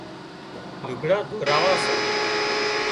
لگھڙان ڌوراوان سان